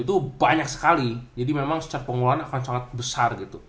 itu banyak sekali jadi memang secara pengelolaan akan sangat besar gitu